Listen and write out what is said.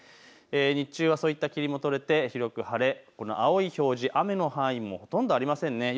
日中はそういった霧も取れて広く晴れ、この青い表示、雨の範囲もほとんどありませんね。